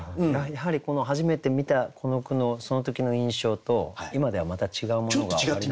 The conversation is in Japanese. やはり初めて見たこの句のその時の印象と今ではまた違うものがおありなんですか？